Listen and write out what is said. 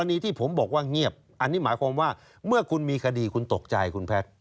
อันนี้ที่ผมบอกว่าเงียบอันนี้หมายความว่าเมื่อคุณมีคดีคุณตกใจคุณแพทย์